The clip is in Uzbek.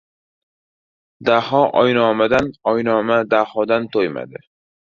Daho oynomadan, oynoma Dahodan to‘ymadi.